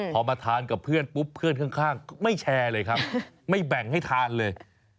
พอมาทานกับเพื่อนปุ๊บเพื่อนข้างไม่แบ่งให้ทานเลย